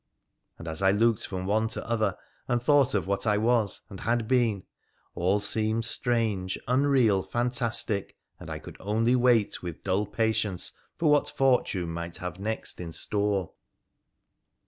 And as I looked from one to other, and thought of what I was and had been, all seemed strange, unreal, fantastic, and I could only PHRA THE PHOENICIAN 305 wait with dull patience for what fortune might have next in store.